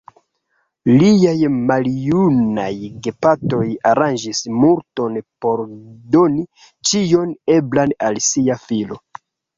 Liaj maljunaj gepatroj aranĝis multon por doni ĉion eblan al sia filo.